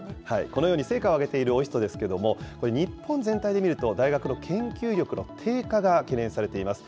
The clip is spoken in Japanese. このように成果を上げているＯＩＳＴですけれども、これ、日本全体で見ると、大学の研究力の低下が懸念されています。